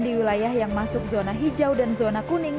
di wilayah yang masuk zona hijau dan zona kuning